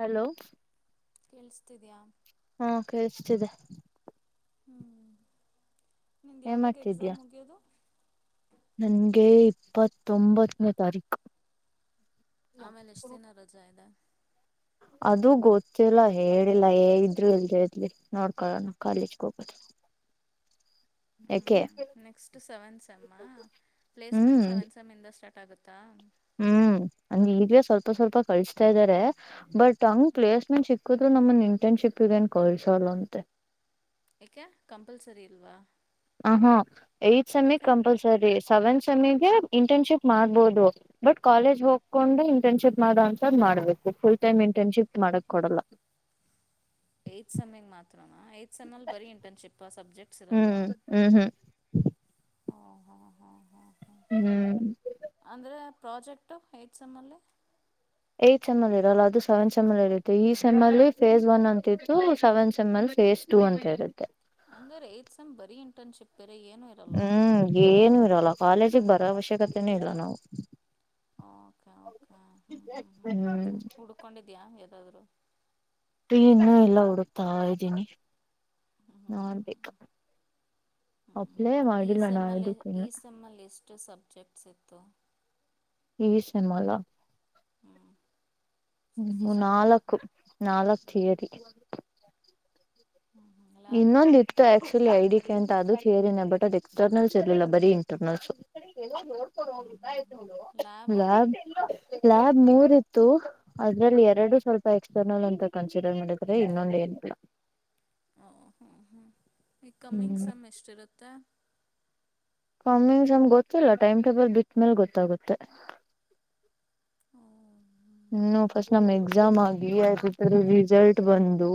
Hello ಕೇಳಸ್ತಿದ್ಯಾ. ಹೊ ಕೇಳಿಸ್ತಿದೆ. ಹ್ಮ್ ನಿಮ್ಗ್ ಏನ್ ಯಾವಾಗ ಮಾಡ್ತಿದ್ಯಾ ಎಕ್ಸಾಮ್ ಮುಗಿಯೋದು. ನನ್ಗೆ ಇಪ್ಪತ್ತೊಂಬತ್ತನೇ ತಾರೀಕು. ಆಮೇಲೆ ಎಷ್ಟ್ ದಿನ ರಜಾ ಇದೆ. ಅದು ಗೊತ್ತಿಲ್ಲ ಹೇಳಿಲ್ಲ ಏ ಇದ್ರು ಇಲ್ದ ಇರ್ಲಿ ನೋಡ್ಕಳೋಣ ಕಾಲೇಜ್ಗೆ ಹೋಗದು. [inaudible] ಹ್ಮ್ ನೆಕ್ಸ್ಟ್ ಸೆವೆಂತ್ ಸೆಮ್ಮ ಪ್ಲೇಸ್ಮೆಂಟ್ ಹ್ಮ್ ಸೆವೆತ್ ಸೆಮ್ತಿನ್ದ ಸ್ಟ ಾಗತ್ತಾ. ಹ್ಮ್ ನಂಗ ಈಗೇ ಸ್ವಲ್ಪ ಸ್ವಲ್ಪ ಕಳಿಸತಾ ಇದಾರೆ ಬಟ್ ಹಂಗ್ ಪ್ಲೇಸ್ಮೆಂಟ್ ಸಿ ಹದ್ರರು ನಮ್ಮಗೆನ್ ಇಂಟನ್ಶಿಪ್ಗೇನ್ ಕಳ್ಸೋಲ್ಂತೆ. ಯಕೆ ಕಂಪಲ್ಸರಿ ಇಲ್ವಾ. ಹೊಹೊ ಏತ್ ಸೆಮಿಂಗ್ ಓಕೆ ಕಂಪಲ್ಸರಿ. ಸೆವೆನ್ ಸಮ್ಮಿಗೆ ಇಂಟರ್ನ್ಶಿಪ್ ಮಾಡ್ಬಹದು ಬಟ್ ಕಾಲೇಜ್ ಹೋಗ್ಕೊಂಡು ಇಂಟರ್ನ್ಶಿಪ್ ಮಾಡ [unintelligible] ಮಾಡ್ಬೇಕು ಫುಲ್ ಟೈಮ್ ಇಂಟರ್ನ್ಶಿಪ್ ಮಾಡಕ್ ಕೊಡಲ್ಲ. ಏತ್ ಸಮ್ಮಿಗ್ ಮಾತ್ರ. ಮಾತ್ರನ ಏತ್ ಸೆಮ್ಮಲ್ಲ್ ಬರೀ ಇಂಟರ್ನ್ಶಿಪಾ ಸಬ್ಜೆಕ್ಟ್ಸ್ ಇರಲ್ವಾ. ಹ್ಮ್ ಹ್ಮ್ ಹ್ಮ್ ಹಾಂ ಹಾಂ ಹಾಂ ಹಾಂ ಹ್ಮ್ ಪ್ರೊಜೆಕ್ಟ್ ಏಟ್ಸ್ಮ್ಮಲ್ಲಿ. ಏಟ್ ಸೆಮ್ಲ್ ಇರಲ್ಲ ಅದು ಸೆವೆನ್ಸೆಮ್ಮ್ಲ್ [unintelligible] ಈ ಸೆಮಲ್ಲಿ ಫೇಸ್ ಒನ್ ಅಂತಿತ್ತು ಸೆವೆನ್ ಸೆಮ್ಲ್ ಫಸ್ ಟು ಅಂತ ಇರುತ್ತೆ. ಹಂಗರೆ ಏಟ್ಸೆಮ್ ಬರೀ ಇಂಟರ್ನ್ಶಿಪ್. ಬೇರೆ ಏನೂ ಇರಲ್ಲ ಹ್ಮ್ ಏನು ಇರಲ್ಲ ಕಾಲೇಜಿಗೆ ಬರೋ ಅವಶ್ಯಕತೆನೆ ಇಲ್ಲ ನಾವು. ಓಕೆ ಓಕೆ ಹ್ಞೂ ಹ್ಞೂ ಹ್ೂ ಹ್ಮ್ ಮತ್ತೆ ಹುಡ್ಕೊಂಡಿದ್ಯಾ ಯದಾದ್ರು. [unintelligible] ಇನ್ನು ಇಲ್ಲ ಹುಡುಕ್ತಾ ಇದ್ದೀನಿ ಹ್ಞೂ ನೋಡ್ಬೇಕಾ. ಅಪ್ಲೇ ಈ ಮಾಡಿಲ್ಲ ನಾ ಇದುಕ್ಕಿನ್ನ. ಚಪ್ಸ್ [unintelligible] ಈ ಸೆಮ್ಮಲ. ಹ್ಞೂ ಸಿಕ್ಸ್ತ್ ಹ್ಮ್ ಸೆಮ್ಮಲ್ಲಿ ನಾಲ್ಕು ನಾಲ್ಕು ತೀಯರಿ. ಹ್ಞೂ ಹ್ಞೂ ಲ್ಯಾಬು ಇನ್ನೊಂದಿತ್ತು ಆಕ್ಚುಲಿ ಐಡಿ. [unintelligible] ಅದು ಥಿಯರಿ ಬಟ್ ಅದು ಎಕ್ಸ್ಟರ್ನಲ್ಸ್ ಇರ್ಲಿಲ್ಲ ಬರೀ ಇಂಟರ್ನಲ್ಸ್. ಹ್ಞೂ ಹ್ಞೂ ಹ್ಞೂ ಲ್ಯಾಬು ಅಲ್ಲಾ ಸ್ಲ್ಯಾಬ್ ಮೂರ್ ಇತ್ತು ಅದ್ರಲ್ಲಿ ಎರಡು ಸ್ವಲ್ಪ ಎಕ್ಸ್ಟರ್ನಲ್ ಅಂತ ಕನ್ಸಿಡರ್ ಮಾಡಿದಿದ್ದಾರೆ ಇನ್ನೊಂದು ಏನಿಲ್ಲ [inaudible] ಹ್ಞೂ ಹ್ಞೂ ಈ ಕಮ್ಮಿಂಗ್ ಹ್ಮ್ ಸಮಮ್ ಎಷ್ಟ ಇರುತ್ತೆ ಕಮ್ಮಿನ್ ಸಮಮ್ ಗೊತ್ತಿಲ್ಲ ಟೈಮ್ ಟೇಬಲ್ ಬಿಟ್ಟ್ಮೇಲ್ ಗೊತ್ತಾಗುತ್ತೆ ಹ್ಮ ಹ್ಮ ಫಸ್ಟ್ ನಮ್ ಎಕ್ಸಾಮ್ ಆಗಿ ಅ ರಿಸಲ್ಟ್ ಬಂದು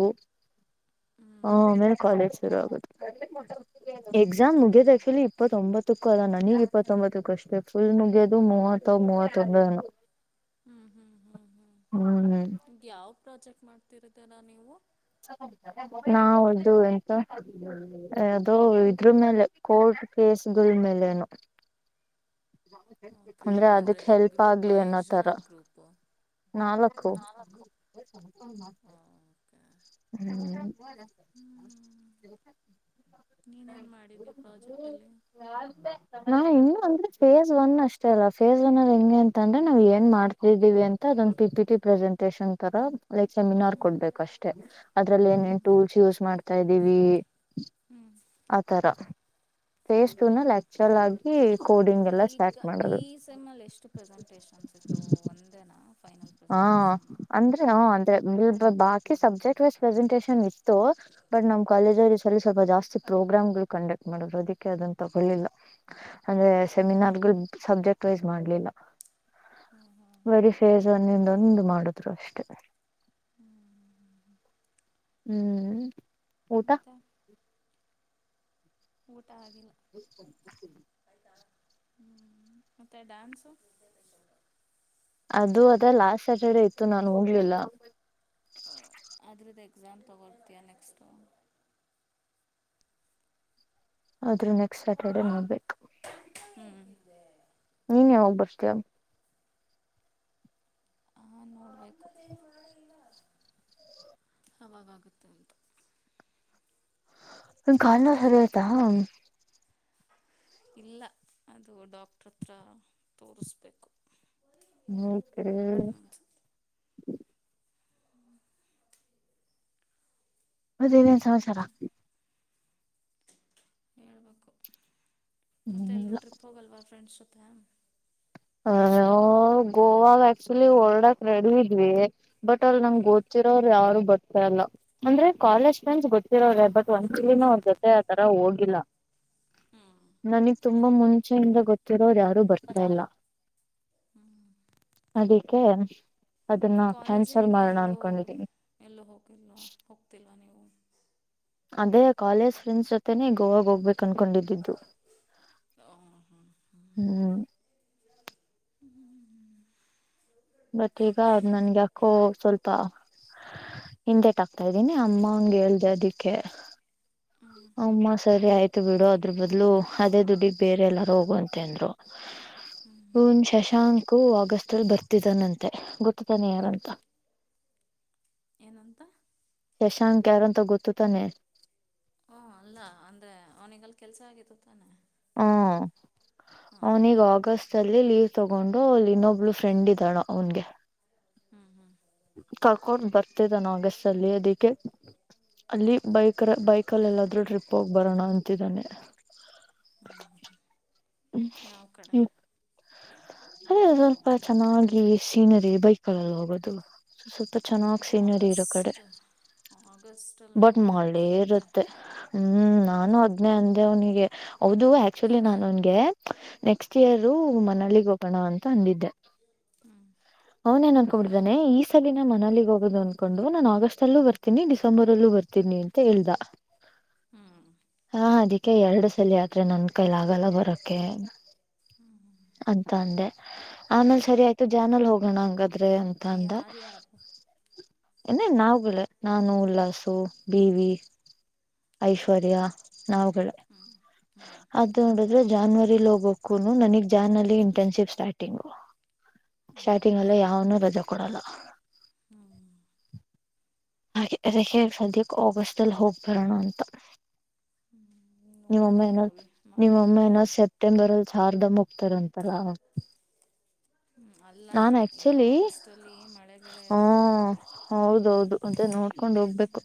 ಹ್ಞೂ ಹ ಆಮೇಲೆ ಕಾಲೇಜ್ ಶುರು ಆಗುತ್ತ ಹ್ಞೂ ಎಕ್ಸಾಮ್ ಮುಗದ ಆಕ್ಲಿ ಇಪ್ಪತ್ತೊಂಬತ್ತು ಹಕ್ಕಲ್ಲ ನನಗ್ ಇಪ್ಪತ್ತೊಂಬತ್ತಕ್ಕಷ್ಟೆ ಫುಲ್ ಮುಗಿಯೋದು ಮೂವತ್ತ ಮೂವತ್ತೊಂದೇನು ಹ್ಞೂ ಹ್ಞೂ ಹ್ಞೂ ಹ್ಮ್ ಹ್ಮ್ ಈಗ ಯಾವ ಪ್ರಾಜೆಕ್ಟ್ ಮಾಡ್ತಿರದರ ನೀವು ನಾಾವದು ಎಂತ ಅದು ಇದ್ರ ಮೇಲೆ ಕೋಲ್ಡ್ ಕೇಸ್ ಗಳ ಮೇಲೆೇನು [inaudible] ಓಕೆ ಅಂದ್ರೆ ಅದಕ್ ಹೆಲ್ಪ್ ಗ್ರೂಪ ಎಷ್ಟು ಜನದ ಗ್ರೂಪು ನಾ ಲಕ್ಕೋ ಓಕೆ ಹ್ಮ್ ನೀನೇನು ಮಾಡಿದೀಯ ಪ್ರಾಜೆಕ್ಟಲ್ಲಿ ನಾ ಇ ಅಂದ್ರೆ ಫೇಸ್ ಒನ್ ಅಷ್ಟೇ ಅಲ್ಲ ಫೇಸ್ ಒನ್ ಅಲ್ಲಿ ಹೆಂ ಅಂತ ಅಂದ್ರೆ ನಾವು ಏನ್ ಮಾಡ್ತಿದೀವಿ ಅಂತ ಅದೊಂದು ಪಿ ಪಿ ರೀ ಪ್ರ್ರೆಸೆಂಟೇಷನ್ ತರ ಲೈಕ್ ಸೆಮಿನಾರ್ ಕೊಡ್ಬೇಕು ಅಷ್ಟೇ ಅದ್ರಲ್ಲಿ ಏನೇನ್ ಟೂಲ್ಸ್ ಯೂಸ್ ಮಾಡ್ತಾ ಇದೀವಿ ಆತರ ಫೇಸ್ ಟು ನ ಲೆಕ್ಚರಲ್ ಆಗಿ ಕೋಡಿಂಗ್ ಎಲ್ಲ ಈಗ ಸ್ಟಾರ್ಟ್ ಮಾಡೋದು ಅನಸತ್ತು ಒಂದೇನಾ ಫೈನಲ್ ಪ್ರೆಸೆಂಟಷನ್ನು ಇ ಬಾ ಸಬ್ಜೆಕ್ಟ್ ವೈಸ್ ಪ್ರೆಸೆಂಟಷನ್ ಇತ್ತು ಬಟ್ ನಮ್ಮ್ ಕಾಲೇಜ್ಲ್ಲಿ ಸ್ವಲ್ಪ ಜಾಸ್ತಿ ಪ್ರೋಗ್ರಾಮ್ ಗಳು ಕಂಡಕ್ಟ್ ಮಾಡ್ರ ಅದಕ್ಕೆ ಅದನ್ನ ತಗೊಳ್ಳಿಲ್ಲ ಅಂದ್ರೆ ಹ್ಞೂ ಸೆಮಿನಾರ್ಗ ಸಬ್ಜೆಕ್ಟ್ ವೈಸ್ ಮಾಡ್ಲಿಲ್ಲ ಹ್ಞೂ ಹ್ಞೂ ಹ್ಞೂ ಬರಿೀ ಫೇಜ್ ಹ್ಞೂ ಒಂದಿಂದೊಂದು ಮಾಡುದ್ರು ಅಷ್ಟೇ ಹ್ಞೂ ಹ್ಞೂ ಹ್ಮ್ ಊಟ ಮತ್ತ ಊಟ ಆಗ ಹತ್ತ ಹ್ಮ ಮತ್ತೆ ಡ್ಯಾನ್ಸು ಅದು ಅದ ಲಾಸ್ಟ್ ಸ್ಯಾಟರ್ಡೇ ಇತ್ತು ನಾನು ಹೋಗಲಿಲ್ಲ ಅದ್ರದ್ದು ಎಕ್ಸಾಮ್ ತೊಗೊಳ್ತೀಯಾ ನೆಕ್ಸ್ಟ ್ರ ನೆಕ್ಸ್ಟ್ ಸ್ಯಾಟರ್ಡೆೇ ಮಾಡ್ಬೇಕು ಹ್ಞೂ ನೀನ್ ಯಾವೋಗ್ ಬರ್ತೀಯ ಹಾ ನೋಡ್ಬೇಕು ಅವಾಗಾಗುತ್ತೆ ಉಟು ಕಾಲ ಸರ ಆಯತಾ ಇಲ್ಲ ಅದು ಡಾಕ್ಟ್ರ ಹತ್ರ ತೋರಿಸ್ಬೇಕು ಹ್ಮತ್ ಇನ್ನೊಂದು ಬನ ಸಮಚ್ಯ ರ ಮತ್ತೆ ಹೇಳ್ಬೇಕು ಮೆ ಹ್ಮ ಎಲ್ಲೂ ಟ್ರಿಪ್ ಹೋಗಲ್ವಾ ಫ್ರೆಂಡ್ಸ್ ಜೊತೆ ಹ ನಾವು ಗೋವಾಗ ಆಕ್ಚುಲಿ ರ್ಡಕ್ ನಡವಿದ್ವಿ ಬಟ್ ಅವ್ ನಂಗ್ ಹ್ಞೂ ಗೋಚಿರ ಅವರು ಯಾರ ಗೊತ್ತೇಲ್ಲ ಅಂದ್ರೆ ಕಾಲೇಜ್ ಫ್ರೆಂಡ್ಸ್ ಗೊತ್ತಿರೋ್ರೆ ಬಟ್ ಒಂದ ಚಲಿನ ಅವ್ರ ಜೊತೆ ಆತರ ಹೋಗಿಲ್ಲಾ [inaudible] ನನಗ್ ತುಂಬಾ ಮುಂಚೆಯಿಂದ ಗೊತ್ತಿರೋದು ಯಾವ್ದ ಬರ್ತ ಇಲ್ಲ ಅವ್ರ್ಯಾರು ಹ್ಞೂ ಅದಕ್ಕೆ ಅದನ್ನ ಕ್ಯಾನ್ಸಲ್ ಕಾಲೇಜಿಂದ ಮಾಡೋಣ ಎಲ್ಲೋ ಅನ್ಕೊಂಡಿದೀನಿ ಎಲ್ಲೋ ಹೋಗಿಲ್ವಾ ಹೋಗ್ತಿಲ್ವಾ ನೀವು. ಅದೇ ಕಾಲೇಜ್ ಫ್ರೆಂಡ್ಸ್ ಜೊತೆನೆ ಗೋವಾಗ್ ಹೋಗ್ಬೇಕು ಅನ್ಕೊಂಡಿದ್ದು. ಹ್ಮ್ ಹ್ಮ್ ಹ್ಮ್ ಬಟ್ ಈಗ ನನ್ಗೆ ಅಕ್ಕೋ ಸ್ವಲ್ಪ. ಹಿಂದೆಟ್ ಆಕ್ತಾ ಇದ್ದೀನಿ ಅಮ್ಮ ಹಂಗ ಹೇಳ್ದೆ ಅದಿಕ್ಕೆ. ಅಮ್ಮ ಸರಿ ಆಯ್ತು ಬಿಡು ಅದ್ರ ಬದ್ಲು ಅದೇ ದುಡ್ಡಿಗ್ ಬೇರೆ ಎಲ್ಲಾರು ಹೋಗುವಂತೆ ಅಂದ್ರು. ಇವ್ನು ಶಶಾಂಕು ಆಗಸ್ಟ್ ಬರ್ತಿದ್ದಾನಂತೆ ಗೊತ್ತತಾನೆ ಯಾರಂತ. ಏನಂತ ಶಶಾಂಕ್ ಯಾರಂತ ಗೊತ್ತು ತಾನೆ. ಓ ಅಲ್ಲ ಅಂದ್ರೆ ಅವನಿಗೆಲ್ ಕೆಲ್ಸ ಆಗತ್ತು ತಾನೆ. ಹ್ಮ ಹಾಂ ಅವನ ಈಗ ಆಗಸ್ಟ್ ಅಲ್ಲಿ ಲೀವ್. ತಗೊಂಡು ಅಲ್ಲಿ ಇನ್ನೊಬ್ಳ ಫ್ರೆಂಡ್ ಇದ್ದಳ ಅವನ್ಗೆ. ಹ್ಮ್ ಕಕೊಂಡು ಬರ್ತಿದ್ದನ್ ಆಗಸ್ ಅಲ್ಲಿ ಅದಕ್ಕೆ. ಅಲ್ಲಿ ಬೈಕ ಬೈಕಲ್ಲಿ ಎಲ್ಲಾದ್ರೂ ಟ್ರಿಪ್ ಹೋಗ್ ಬರೋಣ ಅಂತಿದ್ದಾನೆ. ಹ್ಞೂ ಹ್ಞೂ ಹ್ಮ್ ಯಾವ ಕಡೆ ಹ್ಮ್ ಅದೇ ಸ್ವಲ್ಪ ಚೆನ್ನಾಗಿ ಸೀನರಿ ಬೈಕ್ಲ್ ಹೋಗೋದು. ಸಪ ಚನಾಗ್ ಸೀನರಿ ಇರೋ ಕಡೆ. ಆಗಸ್ಟ್ ಬಟ್ ಮಳೆ ಇರುತ್ತೆ ಹ್ಮ್ ಹ್ಞೂ ನಾನು ಹದ್ನೇ ಅಂದ ಅವನಿ ಗೆ ಹೌದು ಆಕ್ಚುಲಿ ನಾನು ಅವ್ನ್ ಗೆ ನೆಕ್ಸ್ಟ್ ಇಯರ್ ಮನಲಿ ಹೋಗೋಗೋಣ ಅಂತ ಅಂದಿದ್ದೆ. ಹ್ಞೂ ಅವನ್ ಏನ್ ಅನ್ಕೊಬಿಡ್ದಾನೆ ಈ ನ ಮನಲಿ ಹೋಗೋ ಅನ್ಕೊಂಡು ನಾನನ್ ಆಗಸ್ಟ್ ಅಲ್ಲೂ ಬರ್ತೀನಿ ಡಿಸೆಂಬರ್ ಅಲ್ಲೂ ಬರ್ತೀನಿ ಅಂತ ಹೇಳ್ದ. ಹ್ಞೂ ಹಾ ಅದಕ್ಕೆ ಎರಡು ಸಲ ಆದ್ರೆ ನನ್ ಕೈಲಿ ಆಗಲ್ಲ ಬರೋಕೆ. ಅಂತ ಅಂದೆ ಆಮೇಲೆ ಸರಿ ಆಯ್ತು ಜಾನಲ್ ಹೋಗೋಣ ಹಂಗಾ ದ್ರೆ ಅಂತ ಅಂದ. ಯಾರ್ಯಾರು ನ ನಾವ್ ನಾನು ಉಲ್ಲಾಸು ಬೀವಿ. ಹ್ಞೂ ಐಶ್ವರ್ಯಾ ನಾವುಗಳೆ ಹ್ಞೂ ಹ್ಞೂ ಅದು ನೋಡಿದ್ರೆ. ಜಾನ್ವರಿಲ್ ಹೋಗಕು ನನಗ್ ಜಾನ್ ಅಲ್ಲಿ ಇಂಟರ್ನ್ಶಿಪ್ ಸ್ಟಾರ್ಟಿಂಗು. ಹ್ಞೂ ಸ್ಟಾರ್ಟಿಂಗ್ ಅಲ್ಲ ಯಾವನು ರಜೆ ಕೊಡಲ್ಲ. ಹ್ಮ ಹಾಗೆ ಅದಕ್ಕೆ ಸದ್ಯಕ್ಕೆ ಆಗಸ್ಟ್ ಅಲ್ಲಿ ಹೋಗ್ಬರೋಣ ಅಂತ. ಹ್ಞೂ ನಿಮ್ಮ ನೋಡ್ಕೊಂಡು ಹೋಗಿ ನಿಮ್ಮ ಮಳೆ ಮಹನ ಗಿಳೆ ಸೆಪ್ಟೆಂಬರ್ ಸಾರದ ಮುಖ ತರಂತರಲ್ಲ ಹ ಅಲ್ಲ ಈ ಆಗಸ್ಟಲ್ಲಿ ಮಳೆ ಗಿಳೆ ಇರುತ್ತೆ. ಅದನ್ ನೋಡ್ಕೊಂಡ್ ಹೋಗ್ಬೇಕು.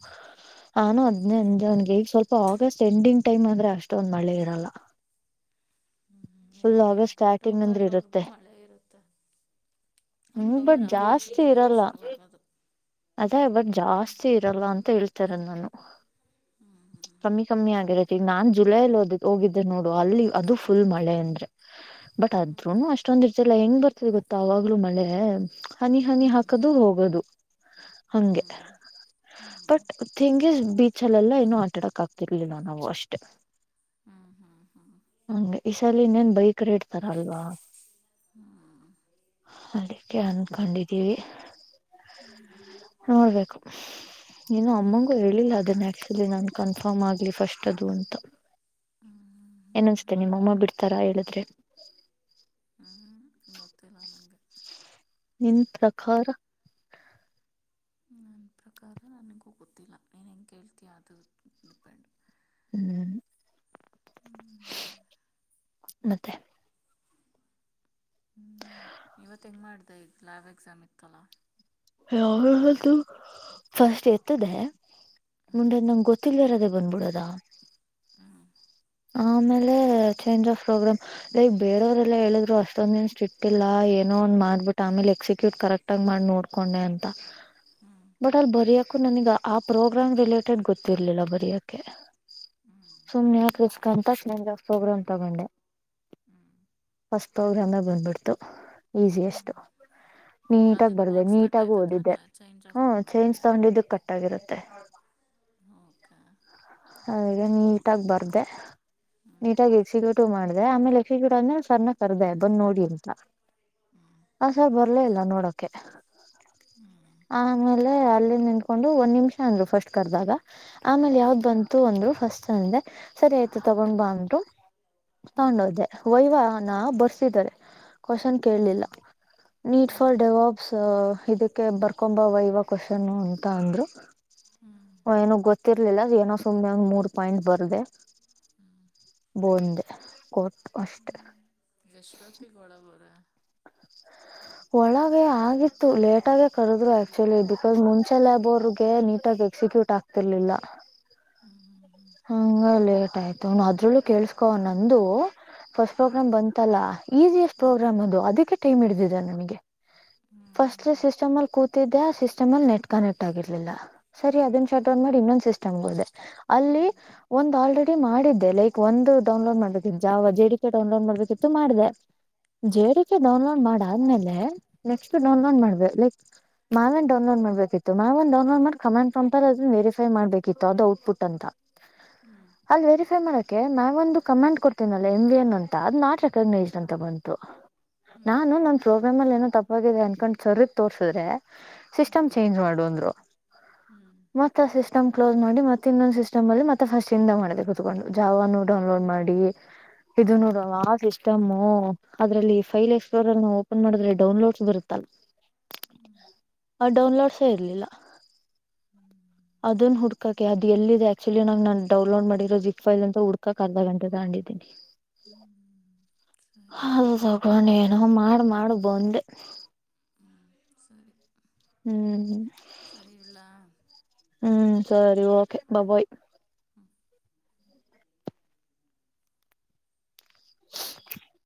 ಹಾನು ಹದ್ನವನ್ಗೆ ಈಗ ಸ್ವಲ್ಪ ಆಗಸ್ಟ್ ಎಂಡಿಂಗ್ ಟೈಮ್ ಅಂದ್ರೆ ಅಷ್ಟೊಂದ್ ಮಳೆ ಇರಲ್ಲ. ಹ್ಮ್ ಏ ಫುಲ್ ಆಗಸ್ಟ್ ಸ್ಟಾರ್ಟಿಂಗ್ ಅಂದ್ರೆ ಇರುತ್ತೆ. ಅಕ್ಟೋಬರ್ವರೆಗೂ ಮಳೆ ಇರುತ್ತೆ ಹ್ಮ್ ಬಟ್ ಅಕ್ಟೋಬರ್ ಆದ್ಮೇಲೆ ಜಾಸ್ತಿ ಚಳಿಗಾಲ ಇರಲ್ಲ ಶುರುವಾಗೋದು ಅದೇ ಬಟ್. ಜಾಸ್ತಿ ಇರಲ್ಲ ಅಂತ ಹೇಳ್ತಾರ ನಾನು ಹ್ಮ್ ಕಮ್ಮಿ ಕಮ್ಮಿ ಆಗಿರತ್ ಈಗ ನಾನ್ ಜುಲೈಲ್ ಹಓದ ಹೋಗಿದ್ದೆ ನೋಡು ಅಲ್ಲಿ ಅದು ಫುಲ್ ಮಳೆ ಅಂದ್ರೆ ಬಟ್ ಹಾದ್ರುನು ಅಷ್ಟೊಂದ್ ಇರ್ತಲ್ಲ ಹೆಂಗ್ ಬರ್ತದೆ ಗೊತ್ತ ಅವಾಗ್ಲೂ ಮಳೆ. ಹನಿ ಹನಿ ಹ್ಮ್ ಹಾಕದು ಹೋಗೋದು ಹಂಗೆ ಹ್ಮ್ ಹ್ಮ್ ಬಟ್ ತಿಂಗ್ ಇಸ್. ಬೀಚಲ್ಲೆಲ್ಲಾ ಏನೂ ಆಟಡಕ್ ಆಗ್ತಿರ್ಲಿಲ್ಲ ನಾವು ಅಷ್ಟೇ. ಹ್ಮ್ ಹ್ಮ್ ಹಂಗೆ ಈ ಸಲಿ ಇನ್ನೇನ್ ಬೈಕ್ರ ಇಡ್ತಾರ ಅಲ್ವಾ. ಅದಕ್ಕೆ ಅನ್ಕೊಂಡಿದ್ದೀವಿ. ನೋಡ್ಬೇಕು ನೀನು ಅಮ್ಮಂಗೂ ಹೇಳಿಲ್ಲ ಅದನ್ನ ಆ ನನ್ ಕನ್ಫರ್ಮ್ ಆಗ್ಲಿ ಫಸ್ಟ್ ಅದು ಅಂತ ಏನನ್ಸತೆ ನಿಮ್ಮಮ್ಮ ಬಿಡ್ತಾರ ಹೇಳಿದ್ರೆ ಹೊತ್ತಲಾನಗೆ ಇತ್ರಕಾರ ನನ್ನ ಪ್ರಕಾರ ನನಗೂ ಗೊತ್ತಿಲ್ಲ ನೀನು ಹೆಂಗೆ ಕೇಳ್ತೀಯಾ ಅದು ಡಿಪೆಂಡ್ ಹ್ಮ್ ಹ್ಮ್ ಮತ್ತೆ ಹ್ಮ್ ಇವತ್ತು ಹೆಂಗ್ ಮಾಡಿದೆ ಈ ಲ್ಯಾಬ್್ ಎಕ್ಸಾಮ್ ಇತ್ತಲ್ಲ ಅವು ಫಸ್ಟ್ ಎತ್ತದೆ ಮುಂಡದ್ ನಂಗ್ ಗೊತ್ತಿಲ್ಲರದೇ ಬಂದಬಿಡದ ಹ್ಮ ಆಮೇಲೆ ಚೇಂಜ್ ಆಫ್ ಪ್ರೋಗ್ರಾಮ್ ಲೈಕ್ ಬೇರವರೆಲ್ಲಾ ಹೇಳಿದ್ರು ಅಷ್ಟೊಂದ ದನ್ಷ್ಟ ಇಟ್ಟಿಲ್ಲ ಏನೋ ಒಂದ್ ಮಾಡ್ಬಿಟ್ಟ ಆಮೇಲೆ ಎಕ್ಸಿಕ್ಯೂಟ್ ಕರೆಕ್ಟ್ ಆಗ ಮಾಡಿ ನೋಡ್ಕೊಂಡೆ ಅಂತ ಹ್ಞೂ ಬಟ್ ಅಲ್ಲಿ ಬರಿಯಕು ನನಗ ಆ ಪ್ರೋಗ್ರಾಮ್ ರಿಲೇಟೆಡ್ ಗೊತ್ತಿರ್ಲಿಲ್ಲ ಬರಿಯಕೆ ಹ್ಞೂ ಸುಮ್ನೆ ಕೃಸ್ಕಂತ ಕ್ಲೇಜ್ರಫ್ ಪ್ರೋಗ್ರಾಾಮ್ ತಗೊಂಡೆ ಹ್ಮ್ ಪ್ರ್ರಾಮ್ ಬಂದ್ಬಿು ಈಿ ಹ್ಞೂ ನೀ ಬ ಅದಕ್ಕೆ ಮಾರ್ಕ್ಸ್ ಕಟ್ ಗ ಆಯಿತು ಓದಿದ್ದೆ ತಾನೆ ಚೇಂಜ್ ಆಫ್ ಹ್ಮ ಚೈಂಜ್ ಪ್ರೋಗ್ರಾಮ್ಗೆ ತಗೊಂಡಿದ್ದು ಕಟ್ಟಾಗಿರುತ್ತೆ ಓಕೆ ಹಾಗೆ ನೀಟಗ ಬರ್ದೆ ಹ್ಞೂ ನೀಟಾಗಿ ಎಕ್ಸಿಕ್ಯೂ ಮಾಡಿದೆ ಆಮೇಲೆ ಲಕ್ಷ್ಮಗೂಡ ಅಂದ್ರೆ ಸರ್ಣ ಕರ್ದೆ ಬಂದ್ ನೋಡಿ ಅಂತ ಹಸ ಬರ್ಲೇ ಇಲ್ಲ ನೋಡೋಕೆ ಆಮೇಲೆ ಅಲ್ಲಿ ನಿಂಕೊಂಡು ಒಂದ್ ನಿಮಿಷ ಅಂದ್ರು ಫಸ್ಟ್ ಕರ್ದಾಗ ಆಮೇಲೆ ಯಾವ್ದ್ ಬಂತು ಅಂದ್ರು ಫಸ್ಟ್ ಅಂದೆ ಸರಿ ಆಯ್ತು ತಗೊಂಡ್ ಬ ಅಂದರು ತಗೊಂಡೋೆ ವೈವಾಾನ ಬರ್ಸಿದ್ದಾರೆ ಕ್ವಶನ್ ಕೇಳಲಿಲ್ಲ ನೀಡ್ ಹ್ಞೂ ಫಾರ್ ಡೆವಾಬ್ಸ್ ಇದಕ್ಕೆ ಬರ್ಕೊಂಬ ವೈವ ಕ್ಶನ್ ಅಂತ ಅಂದ್ರು ಹ್ಞೂ ಏನ ಗೊ ಸಿತಿರ್ಲಿಲ್ಲ ಏನೋ ಸುಮ್ನೆ ಒಂಗ್ ಮೂರ್ ಪಾಯಿಂಟ್ ಬರದೆ ಬಂದೆ ಕೊಟ್ ಅಷ್ಟ ಹ್ಮ ಎಷ್ಟೊತ್ತ ಕೊೋಡಬೋರ ಒಳಗ ಆಗಿತ್ತು ಲೇಟಾಗೇ ಕರೆದ್ರು ಆಕ್ಚುಲಿ ಬಿಕಾಸ್ ಮುಂಚೆ ಲಬ ಅವರ್ಗೆ ನೀಟಾಗಿ ಎಕ್ಸಿಕ್ಯೂಟ್ ಆಗ್ತಿರ್ಲಿಲ್ಲ ಹ್ಞೂ ಹಂಗ ಲೇಟ್ ಆಯ್ತು ಅದ್ರಲ್ಲೂ ಕೇಳ್ಸ್ಕೊ ನಂದು ಫಸ್ಟ್ ಹ್ಞೂ ಪ್ರೋಗ್ರಾಮ್ ಬಂತಲ್ಲಾ ಈಸಿ ಎಷ್ಟ್ ಹ್ಞೂ ಪ್ರೋಗ್ರಾಮ್ ಅದು ಅದಕ್ಕೆ ಟೈಮ್ ಹಡಿದಿದೆ ನಮಗೆ ಹ್ಞೂ ಹ್ಞೂ ಫಸ್ಟ್ ಸಿಸ್ಟಮ್ ಅಲ್ಲಿ ಕೂತಿದ್ದೆ ಆ ಸಿಸ್ಟಮ್ ಅಲ್ಲಿ ನೆಟ್ ಕನೆಕ್ಟ್ ಆಗಿರ್ಲಿಲ್ಲ ಸರಿ ಅದನ್ನ ಶಟ್ ೌನ್ ಮಾಡಿ ಇನ್ನೊಂದು ಒಂದು ಸಿಸ್ಟ್ಗದೆ ಸಿಸ್ಟಮ್ಗು ಅಲ್ಲಿ ಹ್ಞೂ ಒಂದು್ ಆಲ್ರೆಡಿ ಮಾಡಿದ್ದೆ ಲೈಕ್ ಒಂದು ಡೌನ್ಲೋಡ್ ಮಾಡ್ಬೇಕತ್ತು ಜಾವ ಜೆ ಡಿ ಕೆ ಡೌನ್ಲೋಡ್ ಮಾಡ್ಬೇಕಿತ್ತು ಮಾಡಿದೆ ಜೆ ಡಿ ಕೆ ಡೌನ್ಲೋಡ್ ಮಾಡಾದ್ಮೇಲೆ ನೆಕ್ಸ್ಟ್ ಇನ್ನೊಂದು ಡೌನ್ಲೋಡ್ ಮಾಡ್ಬೇಕ ಲೈಕ್ ಮಾಲನ್ ಡೌನ್ಲೋಡ್ ಮಾಡ್ಬೇಕಿತ್ತು ಮೇ್ ಒಂದು ಡೌನ್ಲೋಡ್ ಮಾಡ ಕಮಂಡ್ಫಂಲ್ಲಿ ಅದನ್ನ ವೆರಿಫೈ ಮಾಡ್ಬೇಕಿತ್ತುದು ಔಟ್ಪುಟ್ ಅಂತ ಅಲ್ವೇರಿ ಮಾಡಕೆ ನಾನ ಒಂದು ಕಮ್ಯಾಂಡ್ ಕೊಡ್ತೀನಲ್ಲ ಎಂ ವಿ ಎನ್ ಅಂತ ಅದು ನಾಟ್ ರೆಕಗ್ನೈಸ್ಡ್ ಅಂತ ಬಂತು ನಾನು ನನ್ ಪ್ರೋಗ್ರಾಮ್ ಅಲ್ಲಿ ಏನೋ ತಪ್ಪಾಗಿದೆ ಅನ್ಕೊಂಡ್ ಸರೀಗ್ ತೋರ್ಸಿದ್ರೆ ಸಿಸ್ಟಮ್ ಚೇಂಜ್ ಮಾಡುವ ಅಂದ್ರು ಮತ್ತ ಆ ಸಿಸ್ಟಮ್ ಕ್ಲೋಸ್ ಮಾಡಿ ಮತ್ತ ಇನ್ನೊಂದ್ ಸಿಸ್ಟ್ ಅಲ್ಲಿ ಮತ್ತೆ ಫಸ್ಟ್ ಇಿಂದ ಮಾಡಿದೆ ಕುತ್ಕೊಂಡು ಜಾವಾನ ಡೌನ್ಲೋಡ್ ಮಾಡಿ ಇದು ನೋಡುವ ಆ ಸಿಸ್ಟಮ ಓ ಅದ್ರಲ್ಲಿ ಫೈಲ್ ಎಕ್ಸ್ಲೋರ್ ಅನ್ನು ಓಪನ್ ಮಾಡಿದ್ರೆ ಡೌನ್ಲೋಡ್ಸ್ ಬರುತ್ತಲ್ ಹ್ಮ್ ಡೌನ್ಲೋಡ್ಸ ಇರ್ಲಿಲ್ಲ ಅದ ಹುಡ್ಕಕ ಅ ಎ ಆಕ್ಚುಲಿ ನು ಡೌನ್ಲೋಡ್ ಮಾಡಿರೋ ಜಿಫೈಲ್ ಅಂತ ಹುಕಕ್ ಅರ್ಧ ಗಂಟೆ ತಗಂಡಿದ್ದೀನಿ ಸಿಸ್ಟಮ್ಗು ಸರಿ ಹ್ಞೂ ಸರಿ ಅದು ಆಯಿತು ತಗೊಂಡ ಏನೋ ಹಂಗಾರೆ ಮಾಡ ಮಾಡು ಬಂದ್ ಹ್ಮ ಸರಿ ಹ್ಮ್ ಸರಿಲ್ಲ ಹ್ಮ್ ಸರಿ ಓಕೆ ಬಬಯ್ [unintelligible]